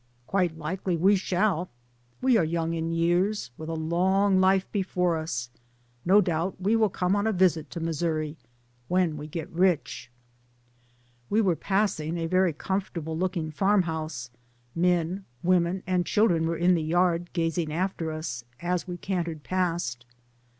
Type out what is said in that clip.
''Quite likely we shall, we are young in years, with a long life before us, no doubt we will come on a visit to Missouri when we get rich." We were passing a very comfortable look ing farmhouse, men, women, and children were in the yard, gazing after us, as we can tered past.